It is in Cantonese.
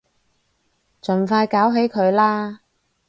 盡快搞起佢啦